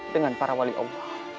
dengan para wali allah